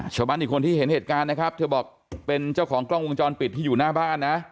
ชาวบ้านอีกคนที่เห็นเหตุการณ์นะครับเธอบอกเป็นเจ้าของกล้องวงจรปิดที่อยู่หน้าบ้านนะ